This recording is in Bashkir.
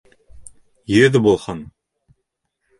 Йөҙ булһын!